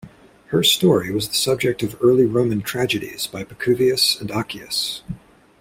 Her story was the subject of early Roman tragedies by Pacuvius and Accius.